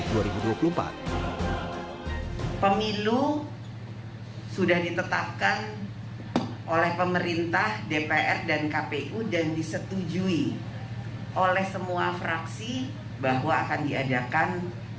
pemilu sudah ditetapkan oleh pemerintah dpr dan kpu dan disetujui oleh semua fraksi bahwa akan diadakan